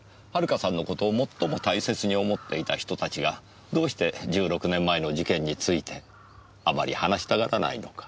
遥さんの事を最も大切に思っていた人たちがどうして１６年前の事件についてあまり話したがらないのか。